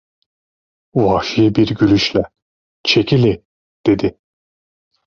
Vahşi bir gülüşle: "Çekili" dedi.